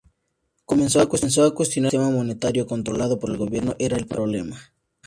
Comenzó a cuestionar si el sistema monetario controlado por el gobierno era el problema.